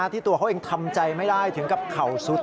ตัวเขาเองทำใจไม่ได้ถึงกับเข่าสุด